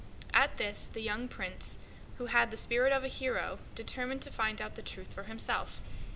At this the young Prince, who had the spirit of a hero, determined to find out the truth for himself.